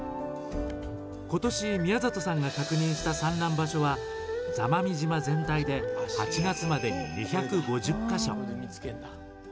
今年、宮里さんが確認した産卵場所は、座間味島全体で８月までに２５０か所。